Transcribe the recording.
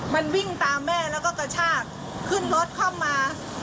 มันวิ่งตามแม่แล้วก็กระชากขึ้นรถเข้ามา